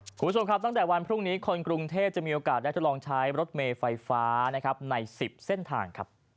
คุณผู้ชมครับตั้งแต่วันพรุ่งนี้คนกรุงเทพจะมีโอกาสได้ทดลองใช้รถเมย์ไฟฟ้านะครับใน๑๐เส้นทางครับ